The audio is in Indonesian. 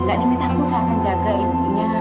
gak diminta pun saya akan jagain